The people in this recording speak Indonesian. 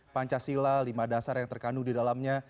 pancasila lima dasar yang terkandung di dalamnya